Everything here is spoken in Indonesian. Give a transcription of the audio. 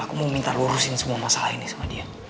aku mau minta lurusin semua masalah ini sama dia